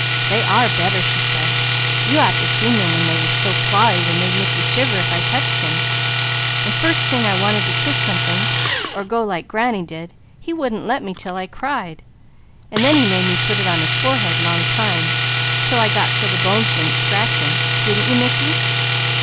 "They are better," she said. "You ought to seen them when they was so clawy they made Mickey shiver if I touched him; and first time I wanted to kiss something or go like granny did, he wouldn't let me 'til I cried, an' then he made me put it on his forehead long time, 'til I got so the bones didn't scratch him; didn't you Mickey?"